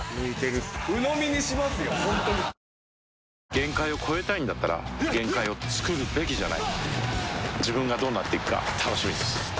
限界を越えたいんだったら限界をつくるべきじゃない自分がどうなっていくか楽しみです